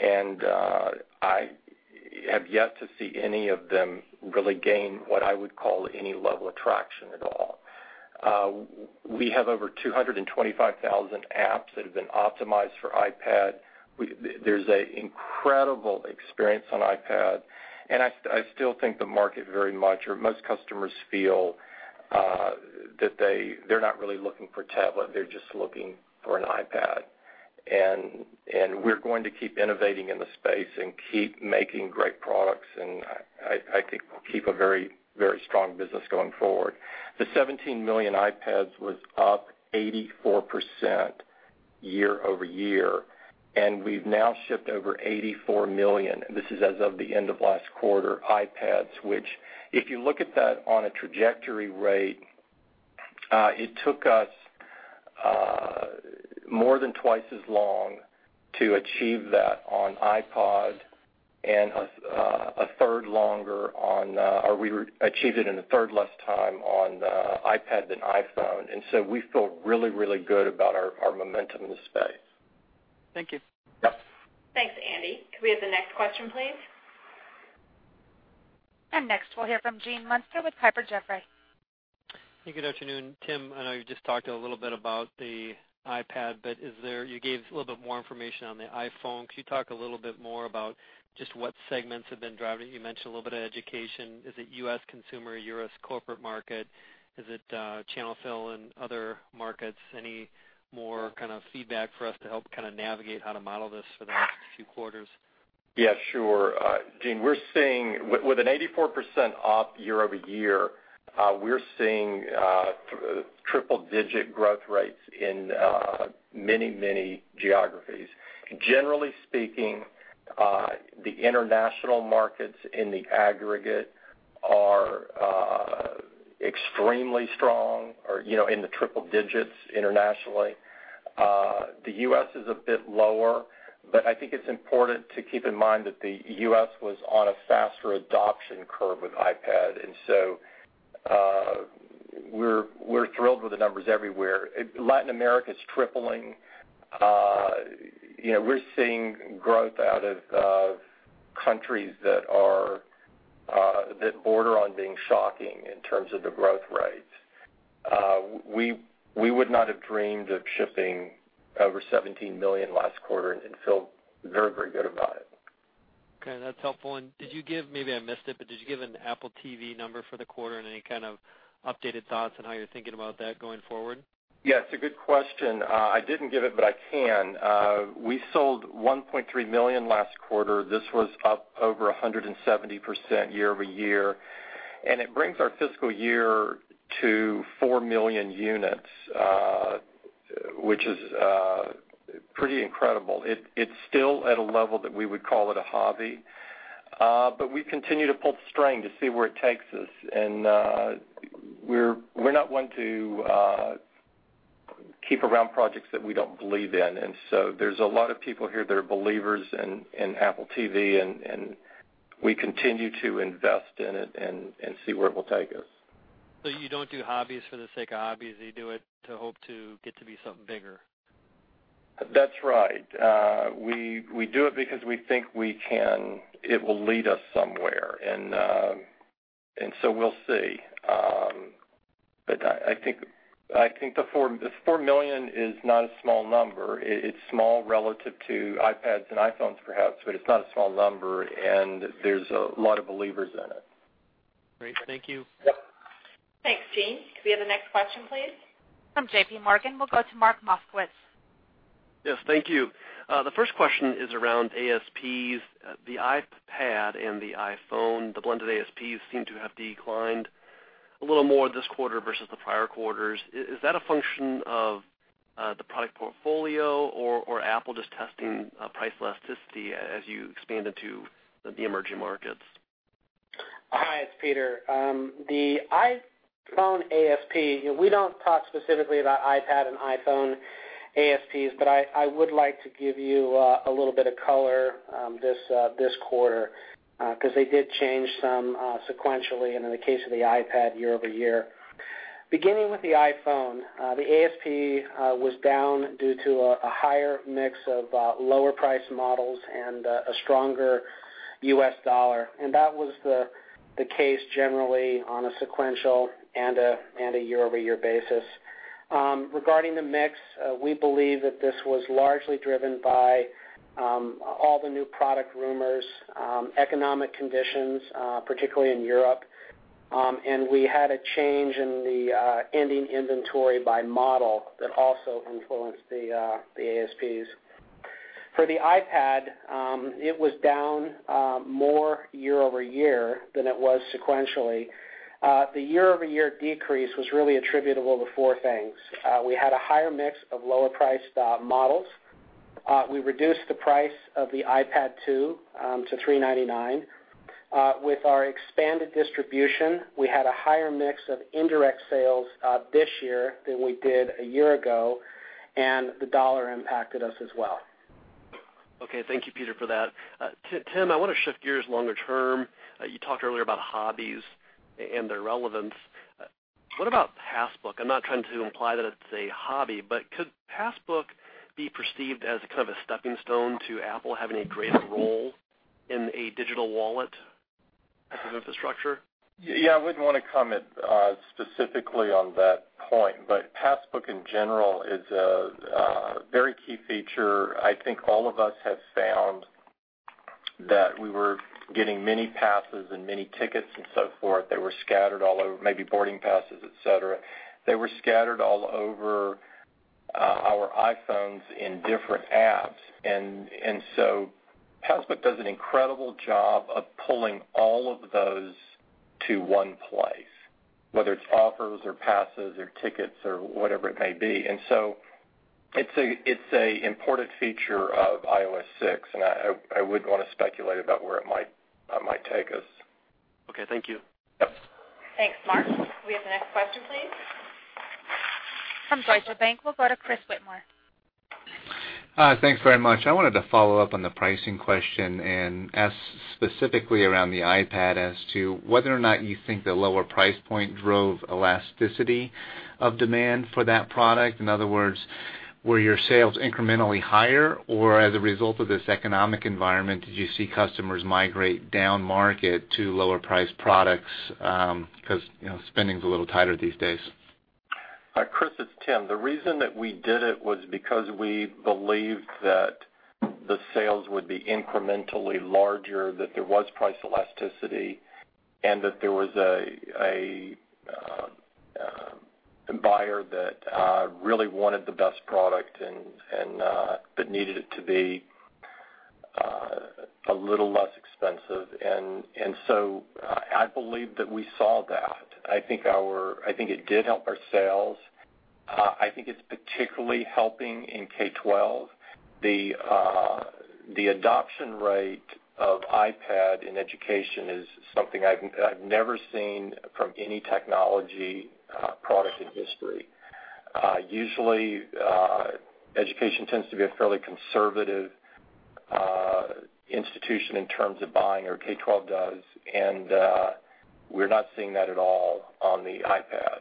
and We have yet to see any of them really gain what I would call any level of traction at all. We have over 225,000 apps that have been optimized for iPad. There's a incredible experience on iPad, I still think the market very much or most customers feel that they're not really looking for tablet, they're just looking for an iPad. We're going to keep innovating in the space and keep making great products, I think we'll keep a very strong business going forward. The 17 million iPads was up 84% year-over-year, We've now shipped over 84 million, This is as of the end of last quarter, iPads, which if you look at that on a trajectory rate, it took us more than twice as long to achieve that on iPod or we achieved it in a third less time on iPad than iPhone. We feel really good about our momentum in the space. Thank you. Yep. Thanks, Andy. Could we have the next question, please? Next, we'll hear from Gene Munster with Piper Jaffray. Hey, good afternoon. Tim, I know you just talked a little bit about the iPad. You gave a little bit more information on the iPhone. Could you talk a little bit more about just what segments have been driving? You mentioned a little bit of education. Is it U.S. consumer, U.S. corporate market? Is it channel fill in other markets? Any more kind of feedback for us to help kinda navigate how to model this for the next few quarters? Sure, Gene, we're seeing, with an 84% up year-over-year, we're seeing triple-digit growth rates in many, many geographies. Generally speaking, the international markets in the aggregate are extremely strong or, you know, in the triple digits internationally. The U.S. is a bit lower, but I think it's important to keep in mind that the U.S. was on a faster adoption curve with iPad. So, we're thrilled with the numbers everywhere. Latin America is tripling. You know, we're seeing growth out of countries that are that border on being shocking in terms of the growth rates. We would not have dreamed of shipping over 17 million last quarter and feel very, very good about it. Okay, that's helpful. Did you give, maybe I missed it, but did you give an Apple TV number for the quarter? Any kind of updated thoughts on how you're thinking about that going forward? Yes, a good question. I didn't give it, but I can. We sold $1.3 million last quarter. This was up over 170% year-over-year, and it brings our fiscal year to 4 million units, which is pretty incredible. It's still at a level that we would call it a hobby, but we continue to pull the string to see where it takes us. We're not one to keep around projects that we don't believe in. There's a lot of people here that are believers in Apple TV, and we continue to invest in it and see where it will take us. You don't do hobbies for the sake of hobbies. You do it to hope to get to be something bigger. That's right. We do it because we think we can It will lead us somewhere. We'll see. I think the $4 million is not a small number. It is small relative to iPads and iPhones perhaps, but it is not a small number, and there is a lot of believers in it. Great. Thank you. Yep. Thanks, Gene. Could we have the next question, please? From JPMorgan, we'll go to Mark Moskowitz. Yes, thank you. The first question is around ASPs. The iPad and the iPhone, the blended ASPs seem to have declined a little more this quarter versus the prior quarters. Is that a function of the product portfolio or Apple just testing price elasticity as you expand into the emerging markets? Hi, it's Peter. The iPhone ASP, we don't talk specifically about iPad and iPhone ASPs, but I would like to give you a little bit of color this quarter 'cause they did change some sequentially and in the case of the iPad year-over-year. Beginning with the iPhone, the ASP was down due to a higher mix of lower priced models and a stronger U.S. dollar, and that was the case generally on a sequential and a year-over-year basis. Regarding the mix, we believe that this was largely driven by all the new product rumors, economic conditions, particularly in Europe, and we had a change in the ending inventory by model that also influenced the ASPs. For the iPad, it was down more year-over-year than it was sequentially. The year-over-year decrease was really attributable to four things. We had a higher mix of lower priced models. We reduced the price of the iPad 2 to $399. With our expanded distribution, we had a higher mix of indirect sales this year than we did a year ago, and the dollar impacted us as well. Okay. Thank you, Peter, for that. Tim, I want to shift gears longer term. You talked earlier about hobbies and their relevance. What about Passbook? I'm not trying to imply that it's a hobby, but could Passbook be perceived as kind of a stepping stone to Apple having a greater role in a digital wallet type of infrastructure? Yeah, I wouldn't wanna comment specifically on that point. Passbook in general is a very key feature. I think all of us have found that we were getting many passes and many tickets and so forth. They were scattered all over, maybe boarding passes, et cetera. They were scattered all over our iPhones in different apps. Passbook does an incredible job of pulling all of those to one place, whether it's offers or passes or tickets or whatever it may be. It's a important feature of iOS 6, I wouldn't wanna speculate about where it might take us. Okay, thank you. Yep. Thanks, Mark. Can we have the next question, please? From Deutsche Bank, we'll go to Chris Whitmore. Thanks very much. I wanted to follow up on the pricing question and ask specifically around the iPad as to whether or not you think the lower price point drove elasticity of demand for that product. In other words, were your sales incrementally higher, or as a result of this economic environment, did you see customers migrate downmarket to lower priced products, 'cause, you know, spending's a little tighter these days? Chris, it's Tim. The reason that we did it was because we believed that the sales would be incrementally larger, that there was price elasticity, and that there was a buyer that really wanted the best product and but needed it to be a little less expensive. I believe that we saw that. I think it did help our sales. I think it's particularly helping in K-12. The adoption rate of iPad in education is something I've never seen from any technology product in history. Usually, education tends to be a fairly conservative institution in terms of buying, or K-12 does, and we're not seeing that at all on the iPad.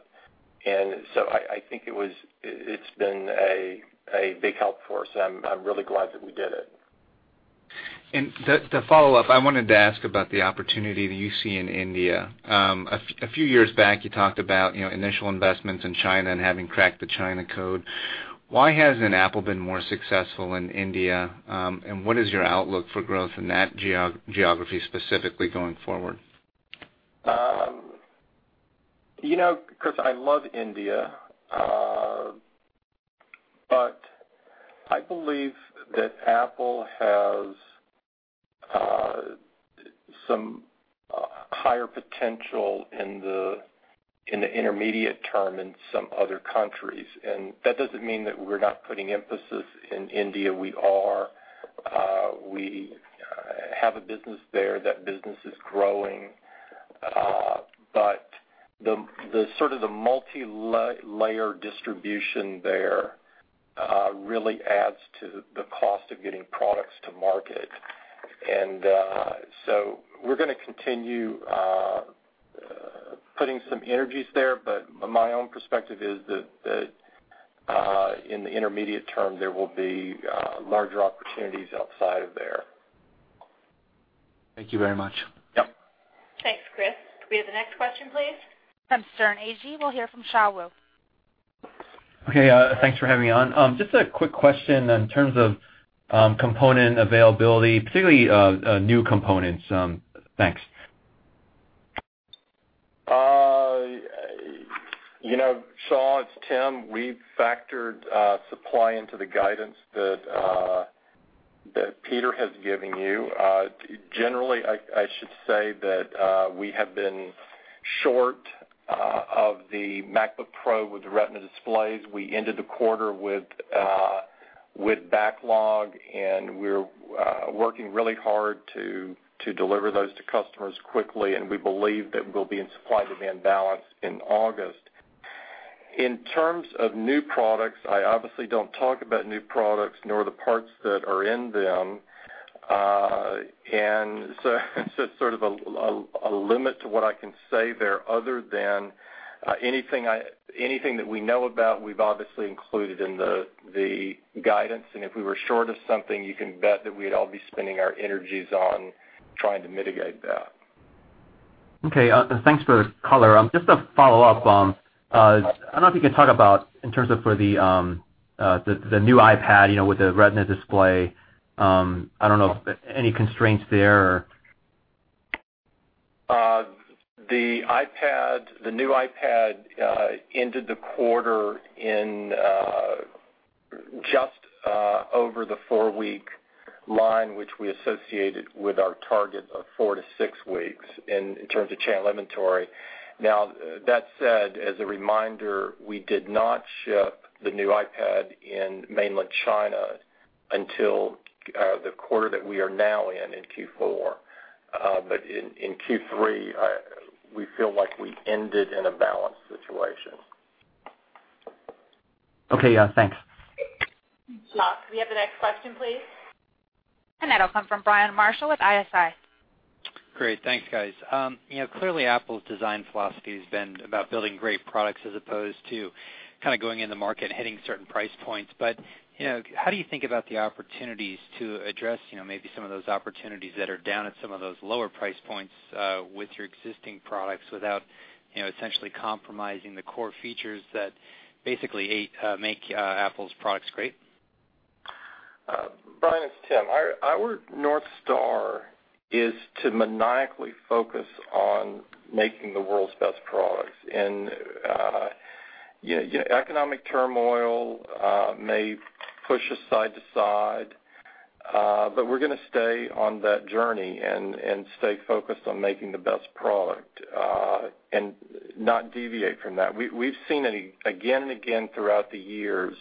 I think it's been a big help for us. I'm really glad that we did it. To follow up, I wanted to ask about the opportunity that you see in India. A few years back, you talked about, you know, initial investments in China and having cracked the China code. Why hasn't Apple been more successful in India, and what is your outlook for growth in that geography specifically going forward? You know, Chris, I love India. I believe that Apple has some higher potential in the intermediate term in some other countries. That doesn't mean that we're not putting emphasis in India. We are. We have a business there. That business is growing. The sort of the multilayer distribution there really adds to the cost of getting products to market. We're gonna continue putting some energies there, but my own perspective is that in the intermediate term, there will be larger opportunities outside of there. Thank you very much. Yep. Thanks, Chris. Can we have the next question, please? From Sterne Agee, we'll hear from Shaw Wu. Okay, thanks for having me on. Just a quick question in terms of component availability, particularly new components. Thanks. You know, Shaw, it's Tim. We factored supply into the guidance that Peter has given you. Generally, I should say that we have been short of the MacBook Pro with the Retina displays. We ended the quarter with backlog, and we're working really hard to deliver those to customers quickly, and we believe that we'll be in supply-demand balance in August. In terms of new products, I obviously don't talk about new products nor the parts that are in them. Sort of a limit to what I can say there other than anything that we know about, we've obviously included in the guidance. If we were short of something, you can bet that we'd all be spending our energies on trying to mitigate that. Okay. Thanks for the color. Just to follow up, I don't know if you can talk about in terms of for the new iPad, you know, with the Retina display, I don't know if any constraints there or? The iPad, the new iPad, ended the quarter in, just, over the four-week line, which we associated with our target of four to six weeks in terms of channel inventory. That said, as a reminder, we did not ship the new iPad in Mainland China until the quarter that we are now in Q4. In Q3, we feel like we ended in a balanced situation. Okay, yeah, thanks. Thanks, Scott. Could we have the next question, please? That'll come from Brian Marshall with ISI. Great. Thanks, guys. You know, clearly Apple's design philosophy has been about building great products as opposed to kind of going in the market and hitting certain price points. You know, how do you think about the opportunities to address, you know, maybe some of those opportunities that are down at some of those lower price points, with your existing products without, you know, essentially compromising the core features that basically, make Apple's products great? Brian, it's Tim. Our North Star is to maniacally focus on making the world's best products. You know, economic turmoil may push us side to side, but we're gonna stay on that journey and stay focused on making the best product and not deviate from that. We've seen it again and again throughout the years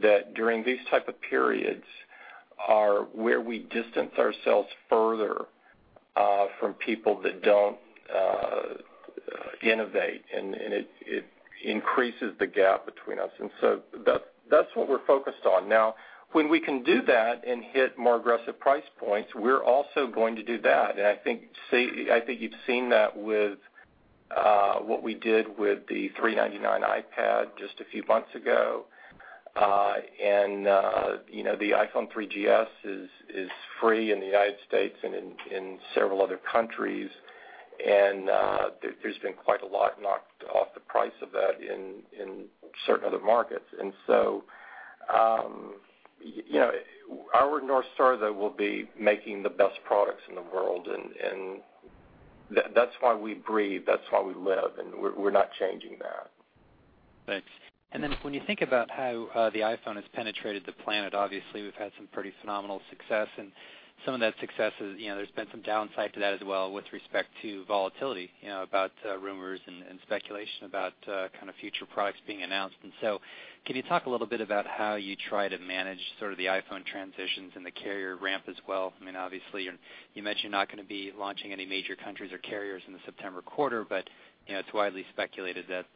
that during these type of periods are where we distance ourselves further from people that don't innovate, and it increases the gap between us. That's what we're focused on. Now, when we can do that and hit more aggressive price points, we're also going to do that. I think you've seen that with what we did with the $399 iPad just a few months ago. You know, the iPhone 3GS is free in the United States and in several other countries. There's been quite a lot knocked off the price of that in certain other markets. You know, our North Star, though, will be making the best products in the world, and that's why we breathe. That's why we live, and we're not changing that. Thanks. When you think about how the iPhone has penetrated the planet, obviously, we've had some pretty phenomenal success, and some of that success is, you know, there's been some downside to that as well with respect to volatility, you know, about rumors and speculation about kind of future products being announced. Can you talk a little bit about how you try to manage sort of the iPhone transitions and the carrier ramp as well? I mean, obviously, you mentioned you're not gonna be launching any major countries or carriers in the September quarter, but, you know, it's widely speculated that,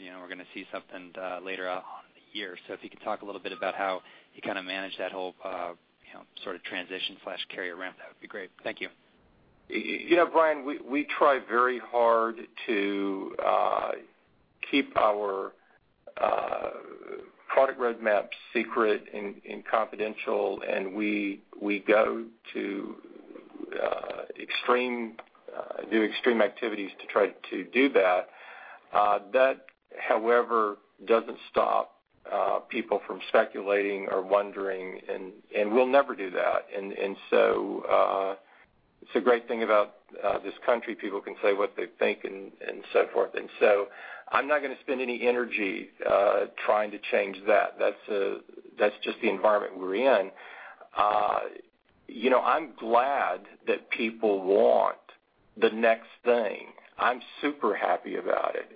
you know, we're gonna see something later on in the year. If you could talk a little bit about how you kind of manage that whole, you know, sort of transition slash carrier ramp, that would be great. Thank you. You know, Brian, we try very hard to keep our product roadmap secret and confidential, and we go to extreme activities to try to do that. That, however, doesn't stop people from speculating or wondering, and we'll never do that. It's a great thing about this country. People can say what they think and so forth. I'm not gonna spend any energy trying to change that. That's just the environment we're in. You know, I'm glad that people want the next thing. I'm super happy about it.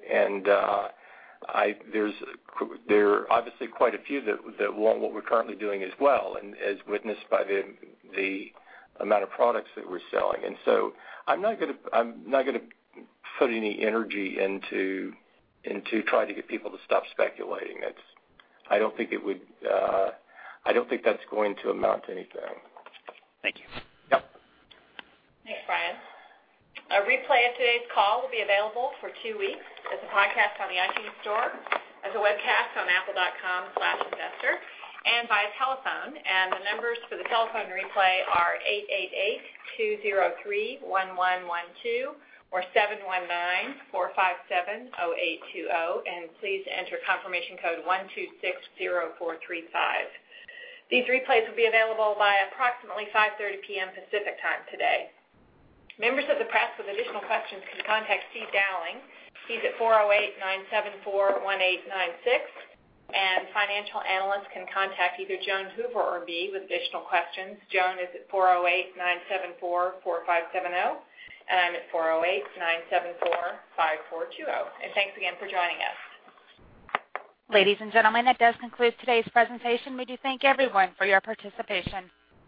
There are obviously quite a few that want what we're currently doing as well, and as witnessed by the amount of products that we're selling. I'm not gonna put any energy into trying to get people to stop speculating. It's. I don't think it would, I don't think that's going to amount to anything. Thank you. Yep. Thanks, Brian. A replay of today's call will be available for two weeks as a podcast on the iTunes Store, as a webcast on apple.com/investor and via telephone. The numbers for the telephone replay are 888-203-1112 or 719-457-0820, please enter confirmation code 1260435. These replays will be available by approximately 5:30 P.M. Pacific Time today. Members of the press with additional questions can contact Steve Dowling. He's at 408-974-1896, financial analysts can contact either Joan Hoover or me with additional questions. Joan is at 408-974-4570, I'm at 408-974-5420. Thanks again for joining us. Ladies and gentlemen, that does conclude today's presentation. We do thank everyone for your participation.